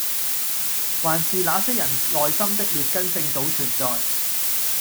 還是那些人內心的劣根性早存在